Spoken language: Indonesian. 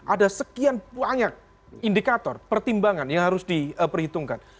ada sekian banyak indikator pertimbangan yang harus diperhitungkan